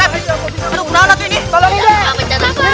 aduh naan atuk ini tolong ini dek